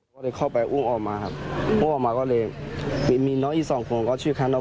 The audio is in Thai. ผมส่องไฟเข้าไปในหน้าต่างถานหน้าต่างผมยังเข้าไม่ได้